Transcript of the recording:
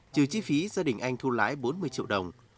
trừ chi phí gia đình anh thu lái bốn mươi triệu đồng